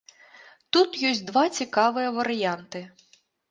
Тут ёсць два цікавыя варыянты.